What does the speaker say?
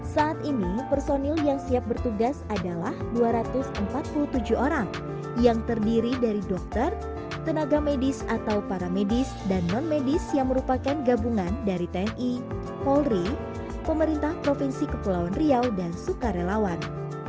saat ini personil yang siap bertugas adalah dua ratus empat puluh tujuh orang yang terdiri dari dokter tenaga medis atau para medis dan non medis yang merupakan gabungan dari tni polri pemerintah provinsi kepulauan riau dan sukarelawan